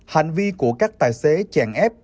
hành vi của các tài xế chèn ép